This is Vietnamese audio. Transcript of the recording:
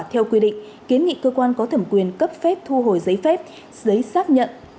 theo quy định kiến nghị cơ quan có thẩm quyền cấp phép thu hồi giấy phép giấy xác nhận